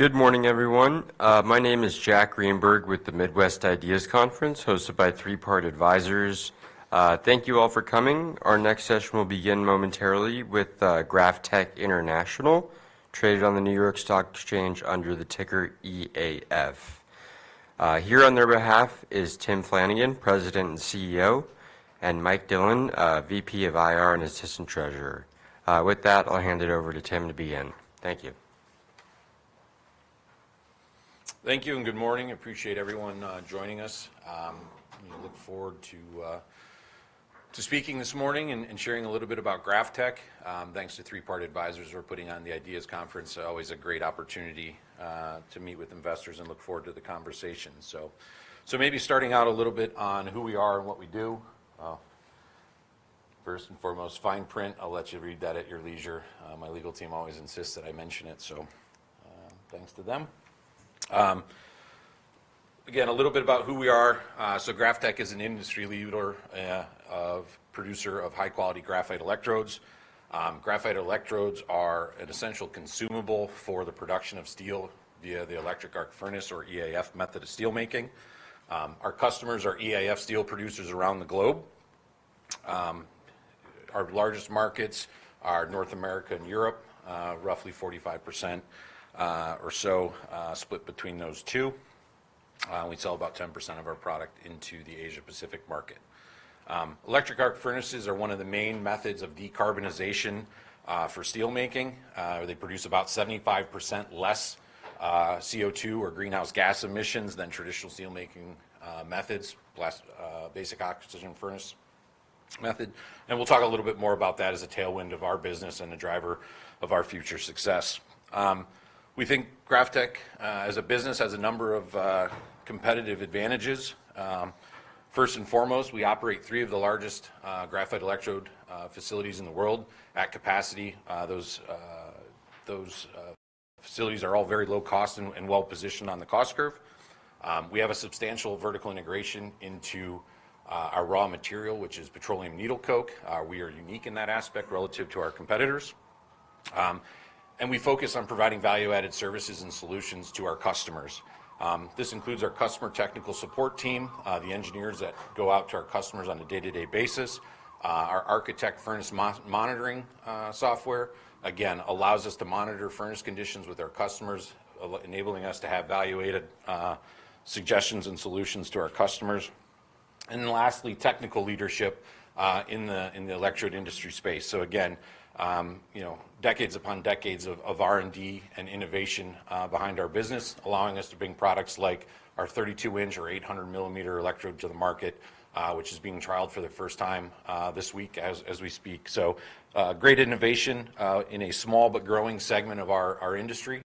Good morning, everyone. My name is Jack Greenberg with the Midwest IDEAS Conference, hosted by Three Part Advisors. Thank you all for coming. Our next session will begin momentarily with GrafTech International, traded on the New York Stock Exchange under the ticker EAF. Here on their behalf is Tim Flanagan, President and CEO, and Mike Dillon, VP of IR and Assistant Treasurer. With that, I'll hand it over to Tim to begin. Thank you. Thank you and good morning. Appreciate everyone joining us. We look forward to speaking this morning and sharing a little bit about GrafTech. Thanks to Three Part Advisors for putting on the IDEAS Conference. Always a great opportunity to meet with investors and look forward to the conversation. Maybe starting out a little bit on who we are and what we do. First and foremost, fine print. I'll let you read that at your leisure. My legal team always insists that I mention it, so thanks to them. Again, a little bit about who we are. So GrafTech is an industry leader, a producer of high-quality graphite electrodes. Graphite electrodes are an essential consumable for the production of steel via the electric arc furnace, or EAF, method of steelmaking. Our customers are EAF steel producers around the globe. Our largest markets are North America and Europe, roughly 45% or so split between those two. We sell about 10% of our product into the Asia-Pacific market. Electric arc furnaces are one of the main methods of decarbonization for steelmaking. They produce about 75% less CO2 or greenhouse gas emissions than traditional steelmaking methods, basic oxygen furnace method, and we'll talk a little bit more about that as a tailwind of our business and a driver of our future success. We think GrafTech as a business has a number of competitive advantages. First and foremost, we operate three of the largest graphite electrode facilities in the world at capacity. Those facilities are all very low cost and well-positioned on the cost curve. We have a substantial vertical integration into our raw material, which is petroleum needle coke. We are unique in that aspect relative to our competitors. And we focus on providing value-added services and solutions to our customers. This includes our customer technical support team, the engineers that go out to our customers on a day-to-day basis. Our ArchiTech furnace monitoring software, again, allows us to monitor furnace conditions with our customers, enabling us to have value-added suggestions and solutions to our customers. And then lastly, technical leadership in the electrode industry space. So again, you know, decades upon decades of R&D and innovation behind our business, allowing us to bring products like our 32-inch or 800 millimeter electrode to the market, which is being trialed for the first time this week as we speak. Great innovation in a small but growing segment of our industry,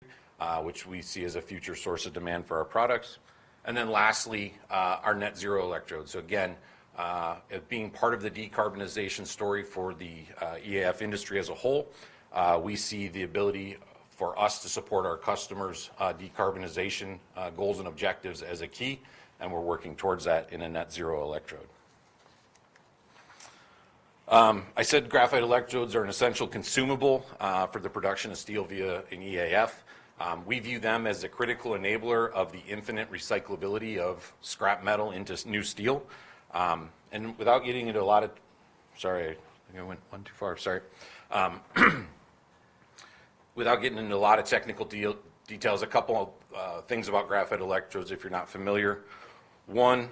which we see as a future source of demand for our products. And then lastly, our Net Zero electrode. Being part of the decarbonization story for the EAF industry as a whole, we see the ability for us to support our customers' decarbonization goals and objectives as a key, and we're working towards that in a Net Zero electrode. I said graphite electrodes are an essential consumable for the production of steel via an EAF. We view them as a critical enabler of the infinite recyclability of scrap metal into new steel. Sorry, I think I went one too far. Sorry. Without getting into a lot of technical details, a couple of things about graphite electrodes, if you're not familiar. One,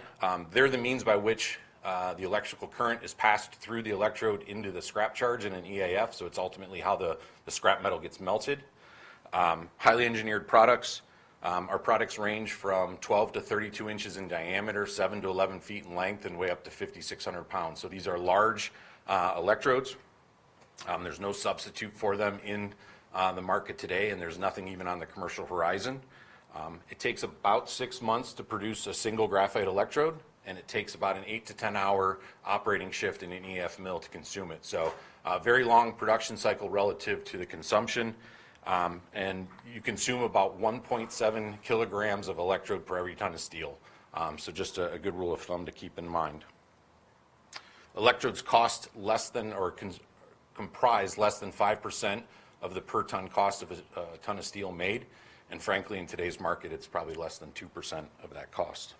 they're the means by which the electrical current is passed through the electrode into the scrap charge in an EAF, so it's ultimately how the scrap metal gets melted. Highly engineered products. Our products range from 12-32 inches in diameter, 7-11 feet in length, and weigh up to 5,600 pounds. So these are large electrodes. There's no substitute for them in the market today, and there's nothing even on the commercial horizon. It takes about six months to produce a single graphite electrode, and it takes about an eight- to ten-hour operating shift in an EAF mill to consume it. Very long production cycle relative to the consumption, and you consume about 1.7 kilograms of electrode per every ton of steel. Just a good rule of thumb to keep in mind. Electrodes cost less than or comprise less than 5% of the per ton cost of a ton of steel made, and frankly, in today's market, it's probably less than 2% of that cost.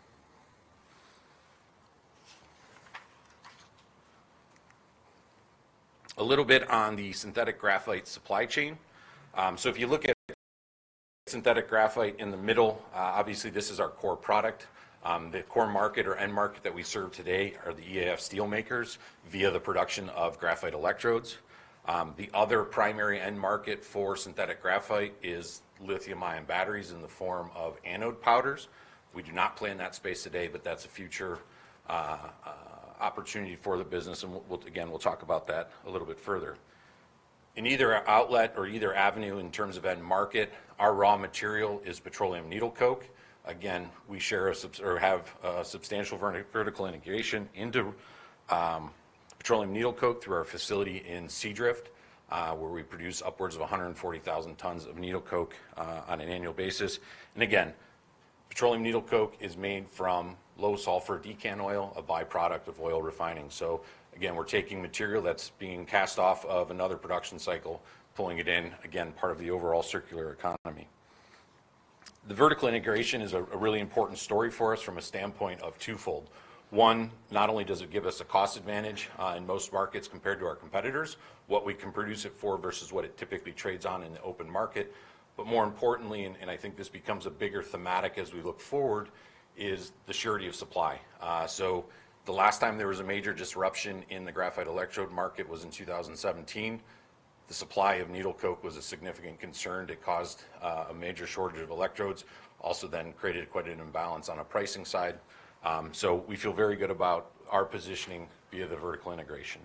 A little bit on the synthetic graphite supply chain. If you look at synthetic graphite in the middle, obviously, this is our core product. The core market or end market that we serve today are the EAF steel makers via the production of graphite electrodes. The other primary end market for synthetic graphite is lithium-ion batteries in the form of anode powders. We do not play in that space today, but that's a future opportunity for the business, and we'll again talk about that a little bit further. In either outlet or either avenue in terms of end market, our raw material is petroleum needle coke. Again, we share or have a substantial vertical integration into petroleum needle coke through our facility in Seadrift, where we produce upwards of 140,000 tons of needle coke on an annual basis. Petroleum needle coke is made from low-sulfur decant oil, a by-product of oil refining. So again, we're taking material that's being cast off of another production cycle, pulling it in, again, part of the overall circular economy. The vertical integration is a really important story for us from a standpoint of twofold. One, not only does it give us a cost advantage in most markets compared to our competitors, what we can produce it for versus what it typically trades on in the open market. But more importantly, and I think this becomes a bigger thematic as we look forward, is the surety of supply. So the last time there was a major disruption in the graphite electrode market was in 2017. The supply of needle coke was a significant concern. It caused a major shortage of electrodes, also then created quite an imbalance on a pricing side. So we feel very good about our positioning via the vertical integration.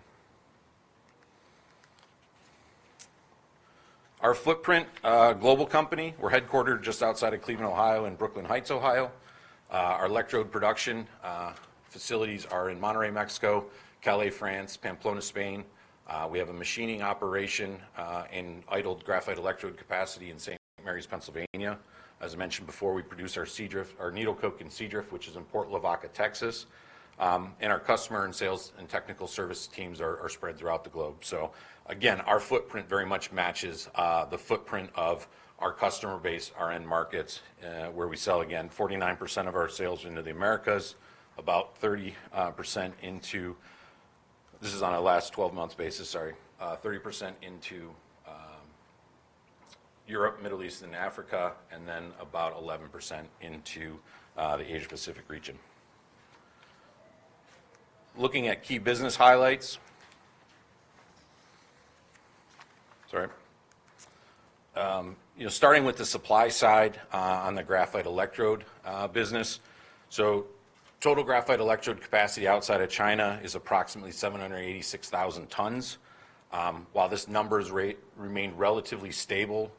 Our footprint, global company, we're headquartered just outside of Cleveland, Ohio, in Brooklyn Heights, Ohio. Our electrode production facilities are in Monterrey, Mexico, Calais, France, Pamplona, Spain. We have a machining operation in idled graphite electrode capacity in St. Marys, Pennsylvania. As I mentioned before, we produce our Seadrift, our needle coke in Seadrift, which is in Port Lavaca, Texas. And our customer and sales and technical service teams are spread throughout the globe. So again, our footprint very much matches the footprint of our customer base, our end markets, where we sell, again, 49% of our sales into the Americas, about 30% into-- This is on a last twelve months basis, 30% into Europe, Middle East, and Africa, and then about 11% into the Asia Pacific region. Looking at key business highlights. You know, starting with the supply side on the graphite electrode business. So total graphite electrode capacity outside of China is approximately 786,000 tons. While this number remains relatively stable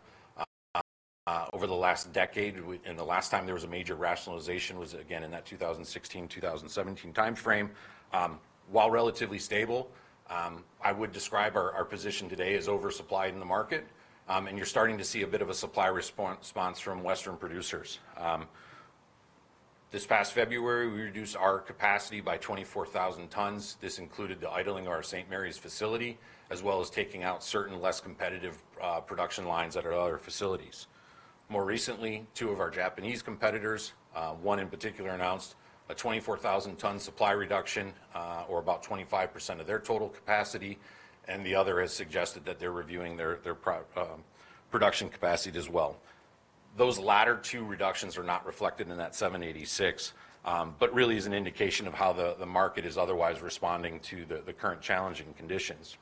over the last decade, and the last time there was a major rationalization was, again, in that 2016-2017 time frame. While relatively stable, I would describe our position today as oversupplied in the market, and you're starting to see a bit of a supply response from Western producers. This past February, we reduced our capacity by 24,000 tons. This included the idling our St. Marys facility, as well as taking out certain less competitive production lines at our other facilities. More recently, two of our Japanese competitors, one in particular, announced a 24,000-ton supply reduction, or about 25% of their total capacity, and the other has suggested that they're reviewing their production capacity as well. Those latter two reductions are not reflected in that 786, but really is an indication of how the market is otherwise responding to the current challenging conditions.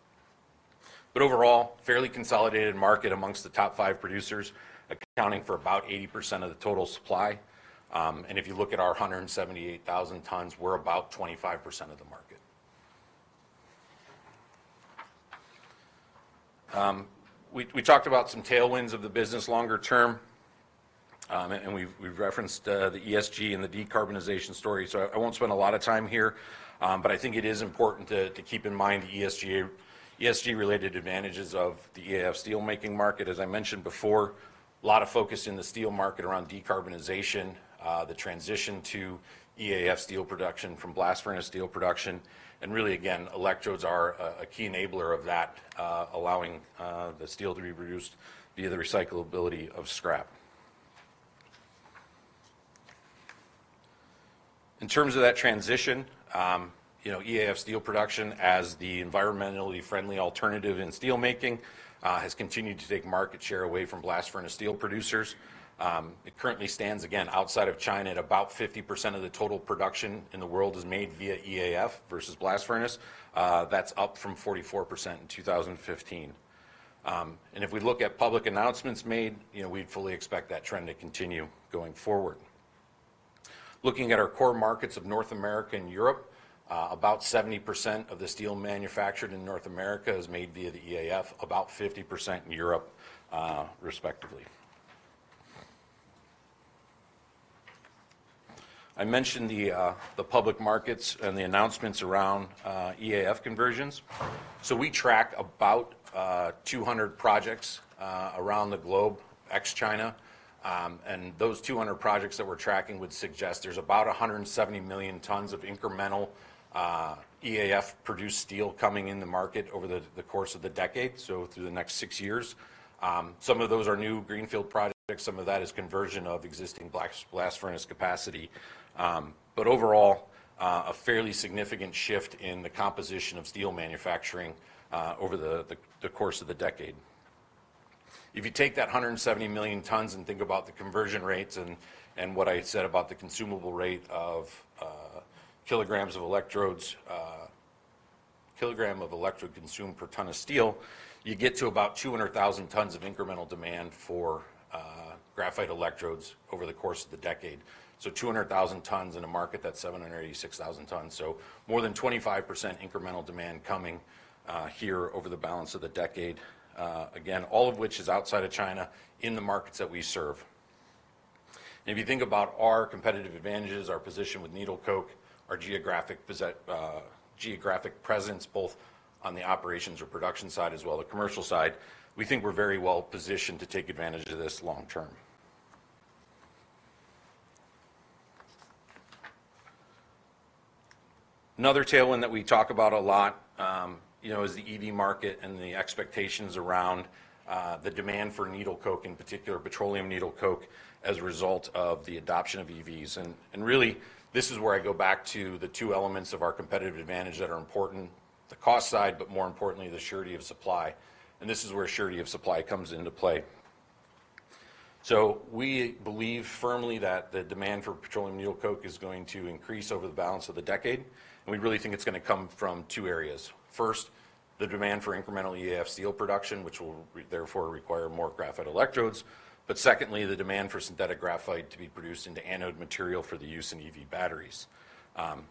But overall, fairly consolidated market among the top five producers, accounting for about 80% of the total supply. And if you look at our 178,000 tons, we're about 25% of the market. We talked about some tailwinds of the business longer term, and we've referenced the ESG and the decarbonization story, so I won't spend a lot of time here, but I think it is important to keep in mind the ESG, ESG-related advantages of the EAF steelmaking market. As I mentioned before, a lot of focus in the steel market around decarbonization, the transition to EAF steel production from blast furnace steel production, and really, again, electrodes are a key enabler of that, allowing the steel to be produced via the recyclability of scrap. In terms of that transition, you know, EAF steel production as the environmentally friendly alternative in steelmaking has continued to take market share away from blast furnace steel producers. It currently stands, again, outside of China, at about 50% of the total production in the world is made via EAF versus blast furnace. That's up from 44% in 2015, and if we look at public announcements made, you know, we'd fully expect that trend to continue going forward. Looking at our core markets of North America and Europe, about 70% of the steel manufactured in North America is made via the EAF, about 50% in Europe, respectively. I mentioned the public markets and the announcements around EAF conversions. So we track about 200 projects around the globe, ex-China, and those 200 projects that we're tracking would suggest there's about 170 million tons of incremental EAF-produced steel coming in the market over the course of the decade, so through the next six years. Some of those are new greenfield projects, some of that is conversion of existing blast furnace capacity. But overall, a fairly significant shift in the composition of steel manufacturing over the course of the decade. If you take that hundred and seventy million tons and think about the conversion rates and what I said about the consumable rate of kilograms of electrodes, kilogram of electrode consumed per ton of steel, you get to about two hundred thousand tons of incremental demand for graphite electrodes over the course of the decade. So two hundred thousand tons in a market, that's seven hundred and eighty-six thousand tons. So more than 25% incremental demand coming here over the balance of the decade, again, all of which is outside of China in the markets that we serve. If you think about our competitive advantages, our position with needle coke, our geographic presence, both on the operations or production side as well as the commercial side, we think we're very well positioned to take advantage of this long term. Another tailwind that we talk about a lot, you know, is the EV market and the expectations around the demand for needle coke, in particular, petroleum needle coke, as a result of the adoption of EVs, and really, this is where I go back to the two elements of our competitive advantage that are important: the cost side, but more importantly, the surety of supply, and this is where surety of supply comes into play, so we believe firmly that the demand for petroleum needle coke is going to increase over the balance of the decade, and we really think it's gonna come from two areas. First, the demand for incremental EAF steel production, which will therefore require more graphite electrodes, but secondly, the demand for synthetic graphite to be produced into anode material for the use in EV batteries.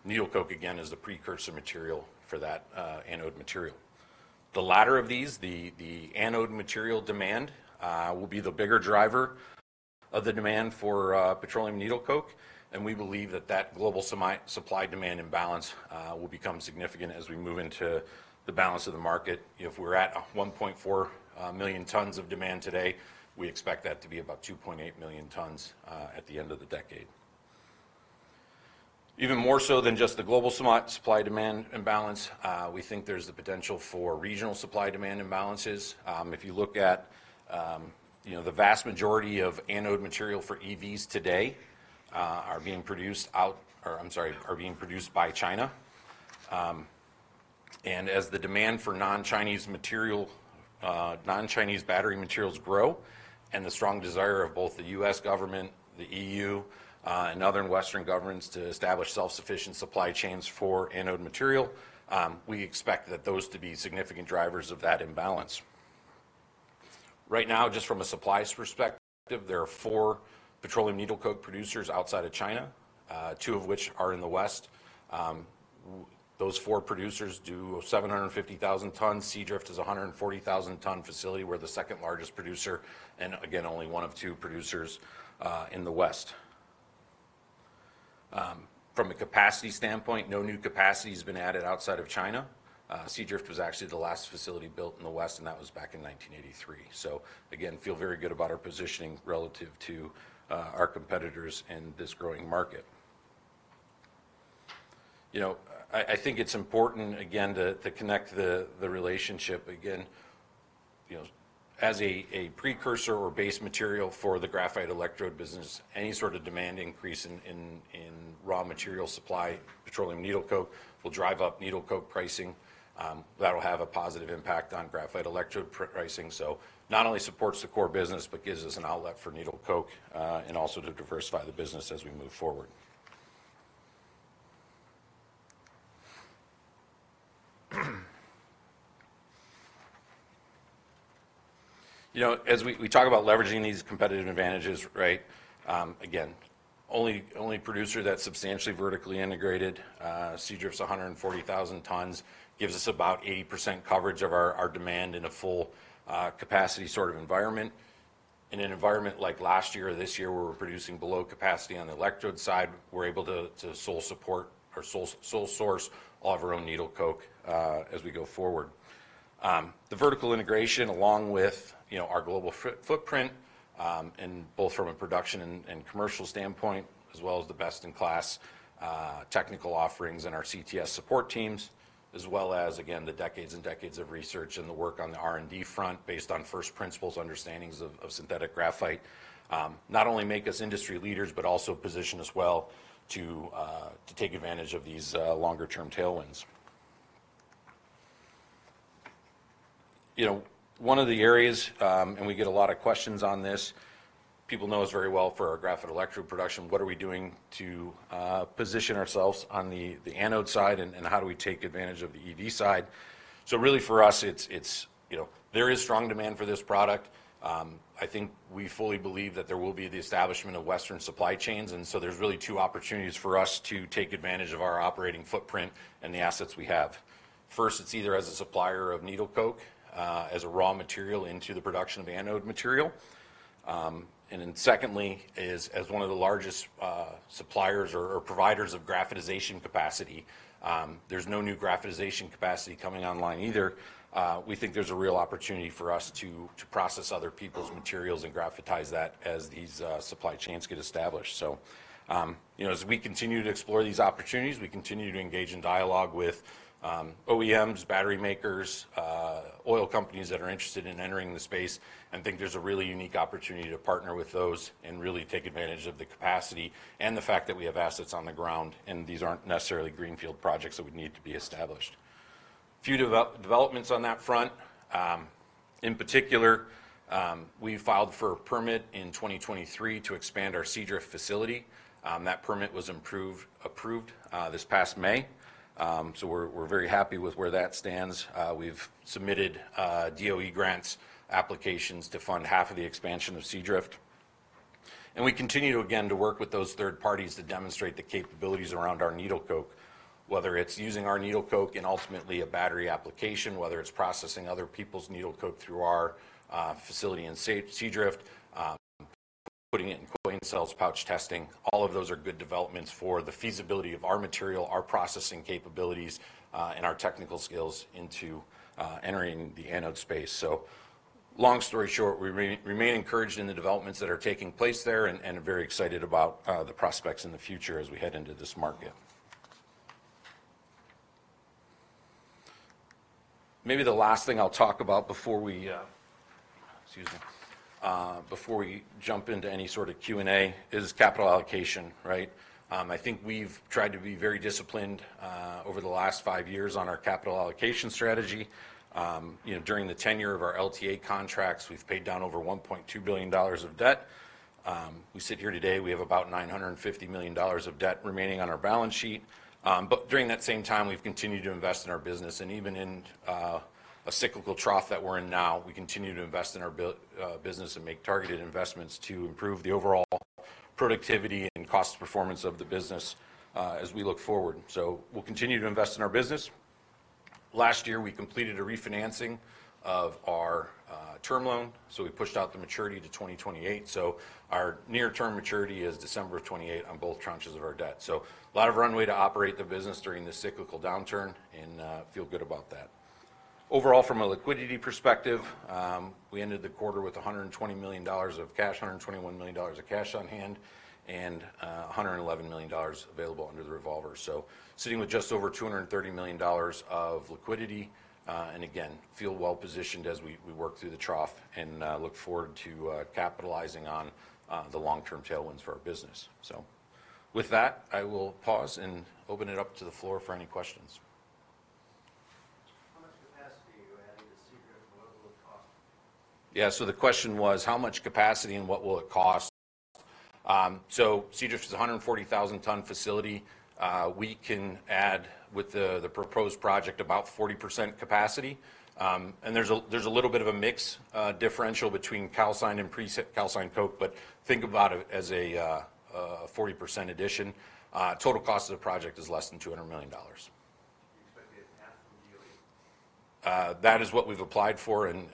Needle coke, again, is the precursor material for that, anode material. The latter of these, the anode material demand, will be the bigger driver of the demand for, petroleum needle coke, and we believe that global supply-demand imbalance will become significant as we move into the balance of the market. If we're at 1.4 million tons of demand today, we expect that to be about 2.8 million tons, at the end of the decade. Even more so than just the global supply-demand imbalance, we think there's the potential for regional supply-demand imbalances. If you look at, you know, the vast majority of anode material for EVs today, are being produced by China. And as the demand for non-Chinese material, non-Chinese battery materials grow, and the strong desire of both the U.S. government, the EU, and other Western governments to establish self-sufficient supply chains for anode material, we expect that those to be significant drivers of that imbalance. Right now, just from a supplies perspective, there are four petroleum needle coke producers outside of China, two of which are in the West. Those four producers do seven hundred and fifty thousand tons. Seadrift is a hundred and forty thousand ton facility. We're the second largest producer, and again, only one of two producers, in the West. From a capacity standpoint, no new capacity has been added outside of China. Seadrift was actually the last facility built in the West, and that was back in 1983. So again, feel very good about our positioning relative to our competitors in this growing market. You know, I think it's important again to connect the relationship again, you know, as a precursor or base material for the graphite electrode business, any sort of demand increase in raw material supply, petroleum needle coke, will drive up needle coke pricing. That'll have a positive impact on graphite electrode pricing. So not only supports the core business, but gives us an outlet for needle coke and also to diversify the business as we move forward. You know, as we talk about leveraging these competitive advantages, right? Again, only producer that's substantially vertically integrated, Seadrift's 140,000 tons, gives us about 80% coverage of our demand in a full capacity sort of environment. In an environment like last year or this year, where we're producing below capacity on the electrode side, we're able to sole source all of our own needle coke as we go forward. The vertical integration, along with, you know, our global footprint, and both from a production and commercial standpoint, as well as the best-in-class technical offerings in our CTS support teams, as well as, again, the decades and decades of research and the work on the R&D front, based on first principles understandings of synthetic graphite, not only make us industry leaders, but also position us well to take advantage of these longer-term tailwinds. You know, one of the areas, and we get a lot of questions on this, people know us very well for our graphite electrode production. What are we doing to position ourselves on the anode side, and how do we take advantage of the EV side? So really, for us, it's... You know, there is strong demand for this product. I think we fully believe that there will be the establishment of Western supply chains, and so there's really two opportunities for us to take advantage of our operating footprint and the assets we have. First, it's either as a supplier of needle coke as a raw material into the production of anode material. And then secondly is as one of the largest suppliers or providers of graphitization capacity. There's no new graphitization capacity coming online either. We think there's a real opportunity for us to process other people's materials and graphitize that as these supply chains get established. So, you know, as we continue to explore these opportunities, we continue to engage in dialogue with OEMs, battery makers, oil companies that are interested in entering the space and think there's a really unique opportunity to partner with those and really take advantage of the capacity and the fact that we have assets on the ground, and these aren't necessarily greenfield projects that would need to be established. A few developments on that front, in particular, we filed for a permit in 2023 to expand our Seadrift facility. That permit was approved this past May, so we're very happy with where that stands. We've submitted DOE grant applications to fund half of the expansion of Seadrift. And we continue to, again, to work with those third parties to demonstrate the capabilities around our needle coke, whether it's using our needle coke in, ultimately, a battery application, whether it's processing other people's needle coke through our facility in Seadrift, putting it in coin cells, pouch testing. All of those are good developments for the feasibility of our material, our processing capabilities, and our technical skills into entering the anode space. So, Long story short, we remain encouraged in the developments that are taking place there, and are very excited about the prospects in the future as we head into this market. Maybe the last thing I'll talk about before we Excuse me, before we jump into any sort of Q&A, is capital allocation, right? I think we've tried to be very disciplined over the last five years on our capital allocation strategy. You know, during the tenure of our LTA contracts, we've paid down over $1.2 billion of debt. We sit here today; we have about $950 million of debt remaining on our balance sheet. But during that same time, we've continued to invest in our business. And even in a cyclical trough that we're in now, we continue to invest in our business and make targeted investments to improve the overall productivity and cost performance of the business as we look forward. So we'll continue to invest in our business. Last year, we completed a refinancing of our term loan, so we pushed out the maturity to 2028. Our near-term maturity is December 2028 on both tranches of our debt. So a lot of runway to operate the business during this cyclical downturn, and feel good about that. Overall, from a liquidity perspective, we ended the quarter with $120 million of cash, $121 million of cash on hand, and $111 million available under the revolver. So sitting with just over $230 million of liquidity, and again, feel well positioned as we work through the trough and look forward to capitalizing on the long-term tailwinds for our business. So with that, I will pause and open it up to the floor for any questions. How much capacity are you adding to Seadrift, and what will it cost? Yeah, so the question was: How much capacity, and what will it cost? So Seadrift is a hundred and forty thousand ton facility. We can add, with the proposed project, about 40% capacity. And there's a little bit of a mix, differential between calcined and pre-calcined coke, but think about it as a 40% addition. Total cost of the project is less than $200 million. Do you expect to get half from DOE? That is what we've applied for, and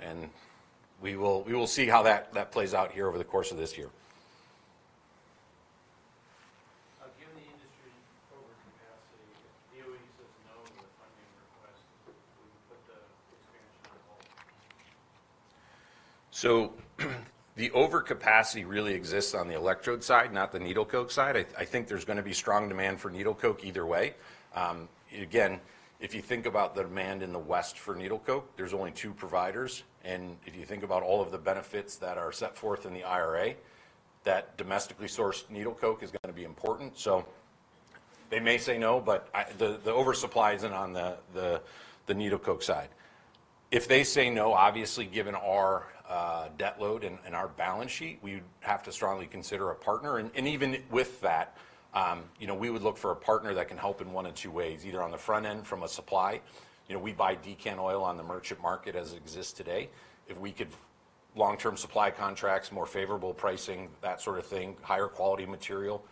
we will see how that plays out here over the course of this year. Given the industry overcapacity, if DOE says no to the funding request, would you put the expansion on hold? So, the overcapacity really exists on the electrode side, not the needle coke side. I think there's gonna be strong demand for needle coke either way. Again, if you think about the demand in the West for needle coke, there's only two providers, and if you think about all of the benefits that are set forth in the IRA, that domestically sourced needle coke is gonna be important. So they may say no, but the oversupply isn't on the needle coke side. If they say no, obviously, given our debt load and our balance sheet, we'd have to strongly consider a partner. And even with that, you know, we would look for a partner that can help in one of two ways: either on the front end from a supply... You know, we buy decant oil on the merchant market as it exists today. If we could long-term supply contracts, more favorable pricing, that sort of thing, higher quality material,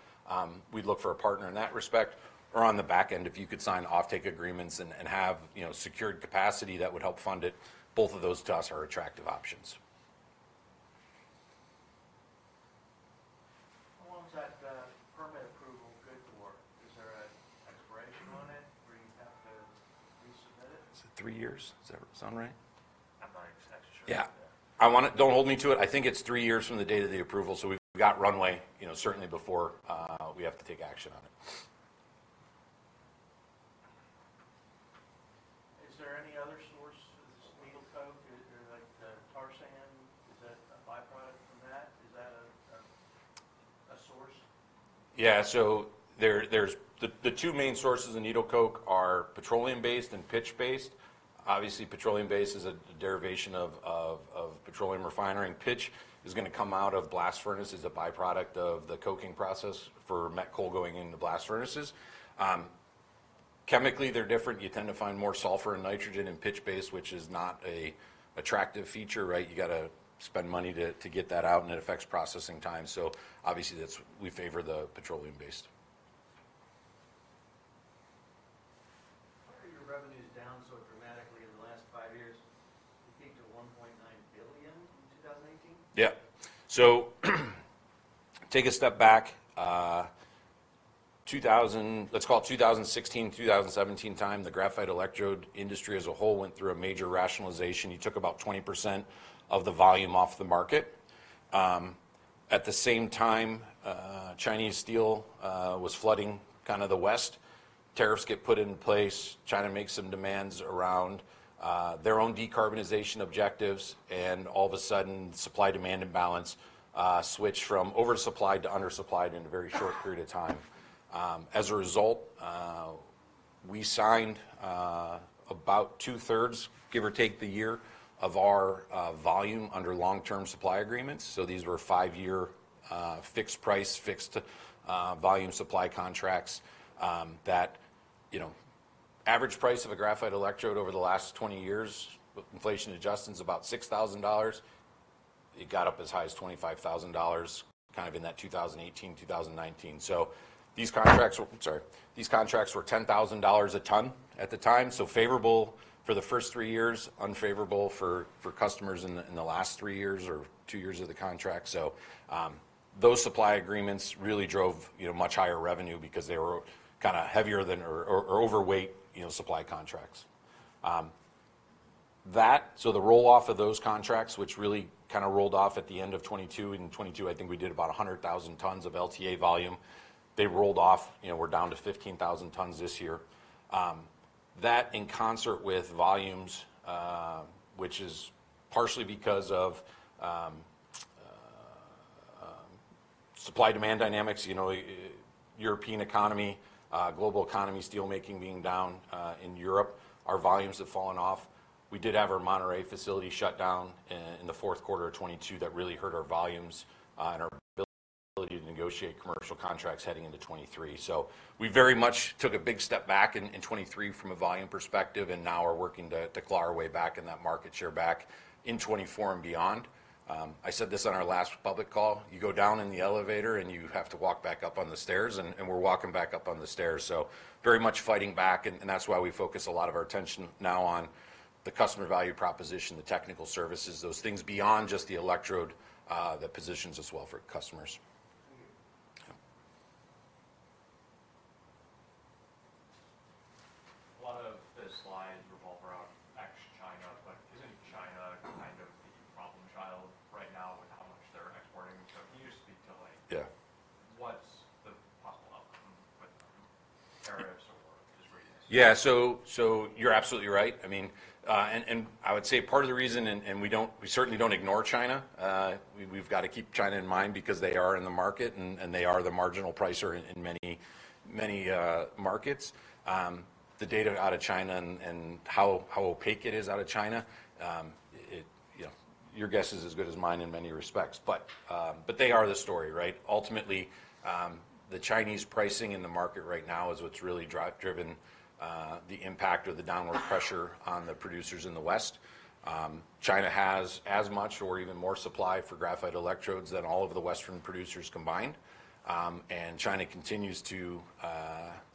we'd look for a partner in that respect. Or on the back end, if you could sign offtake agreements and have, you know, secured capacity, that would help fund it. Both of those to us are attractive options. How long is that permit approval good for? Is there an expiration on it where you have to resubmit it? Is it three years? Does that sound right? I'm not exactly sure on that. Yeah. I want to-- Don't hold me to it. I think it's three years from the date of the approval, so we've got runway, you know, certainly before we have to take action on it. Is there any other source for this needle coke? Is there, like, tar sand, is that a byproduct from that? Is that a source? The two main sources of needle coke are petroleum-based and pitch-based. Obviously, petroleum-based is a derivation of petroleum refinery, and pitch is gonna come out of blast furnaces, a byproduct of the coking process for met coal going into blast furnaces. Chemically, they're different. You tend to find more sulfur and nitrogen in pitch-based, which is not an attractive feature, right? You gotta spend money to get that out, and it affects processing time. So obviously, that's why we favor the petroleum-based. Why are your revenues down so dramatically in the last five years? It peaked at $1.9 billion in 2018. Yeah. So take a step back. Two thousand- let's call it two thousand and sixteen, two thousand and seventeen time, the graphite electrode industry as a whole went through a major rationalization. You took about 20% of the volume off the market. At the same time, Chinese steel was flooding kind of the West. Tariffs get put in place. China makes some demands around their own decarbonization objectives, and all of a sudden, supply-demand imbalance switched from oversupplied to undersupplied in a very short period of time. As a result, we signed about two-thirds, give or take the year, of our volume under long-term supply agreements. So these were five-year fixed price, fixed volume supply contracts, that... You know, average price of a graphite electrode over the last twenty years, with inflation adjustments, is about $6,000. It got up as high as $25,000, kind of in that two thousand and eighteen, two thousand and nineteen. So these contracts were. Sorry. These contracts were $10,000 a ton at the time. So favorable for the first three years, unfavorable for customers in the last three years or two years of the contract. Those supply agreements really drove, you know, much higher revenue because they were kind of heavier than or overweight, you know, supply contracts. So the roll-off of those contracts, which really kind of rolled off at the end of 2022. In 2022, I think we did about 100,000 tons of LTA volume. They rolled off, you know, we're down to fifteen thousand tons this year. That in concert with volumes, which is partially because of supply-demand dynamics, you know, European economy, global economy, steelmaking being down in Europe, our volumes have fallen off. We did have our Monterrey facility shut down in the fourth quarter of 2022. That really hurt our volumes and our ability to negotiate commercial contracts heading into 2023. So we very much took a big step back in 2023 from a volume perspective, and now are working to claw our way back in that market share back in 2024 and beyond. I said this on our last public call: you go down in the elevator, and you have to walk back up on the stairs, and we're walking back up on the stairs, so very much fighting back, and that's why we focus a lot of our attention now on the customer value proposition, the technical services, those things beyond just the electrode that positions us well for customers. Thank you. Yeah. A lot of the slides revolve around ex-China, but isn't China kind of the problem child right now with how much they're exporting? So can you just speak to, like- Yeah. What's the possible outcome with tariffs or just readiness? Yeah. So you're absolutely right. I mean, and I would say part of the reason. We certainly don't ignore China. We've got to keep China in mind because they are in the market, and they are the marginal pricer in many markets. The data out of China and how opaque it is out of China. You know, your guess is as good as mine in many respects. But they are the story, right? Ultimately, the Chinese pricing in the market right now is what's really driven the impact or the downward pressure on the producers in the West. China has as much or even more supply for graphite electrodes than all of the Western producers combined. And China continues to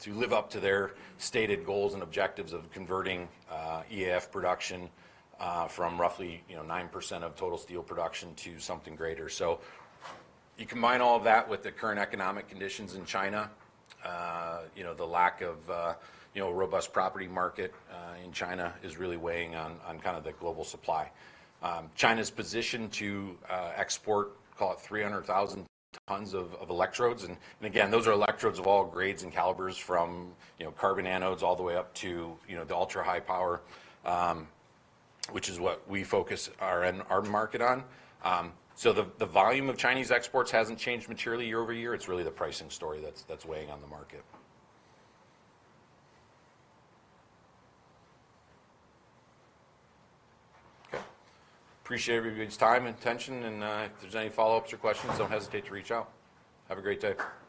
live up to their stated goals and objectives of converting EAF production from roughly, you know, 9% of total steel production to something greater. So you combine all of that with the current economic conditions in China, you know, the lack of, you know, a robust property market in China is really weighing on kind of the global supply. China's position to export, call it, 300,000 tons of electrodes, and again, those are electrodes of all grades and calibers from, you know, carbon anodes all the way up to, you know, the ultra-high power, which is what we focus our end market on. So the volume of Chinese exports hasn't changed materially year over year. It's really the pricing story that's weighing on the market. Okay. Appreciate everybody's time and attention and, if there's any follow-ups or questions, don't hesitate to reach out. Have a great day.